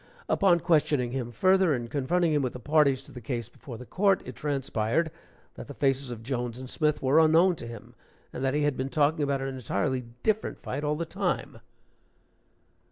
Upon questioning him further, and confronting him with the parties to the case before the court, it transpired that the faces of Jones and Smith were unknown to him, and that he had been talking about an entirely different fight all the time.)